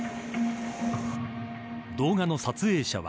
動画の撮影者は。